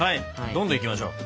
どんどんいきましょう。